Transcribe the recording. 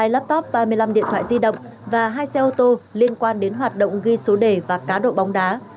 hai laptop ba mươi năm điện thoại di động và hai xe ô tô liên quan đến hoạt động ghi số đề và cá độ bóng đá